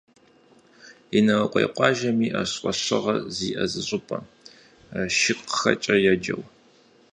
Инарыкъуей къуажэм иӏэщ фӏэщыгъэ зиӏэ зы щӏыпӏэ, «Шыкхъэкӏэ» еджэу.